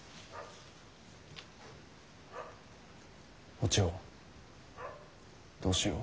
お千代どうしよう。